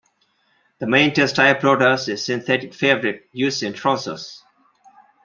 The main textile product is synthetic fabric used in trousers.